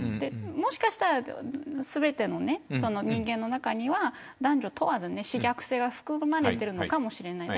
もしかしたら全ての人間の中には男女問わず嗜虐性が含まれているのかもしれない。